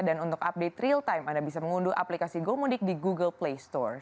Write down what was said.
dan untuk update real time anda bisa mengunduh aplikasi gomudik di google play store